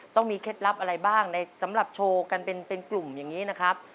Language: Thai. เคล็ดลับอะไรบ้างในสำหรับโชว์กันเป็นกลุ่มอย่างนี้นะครับ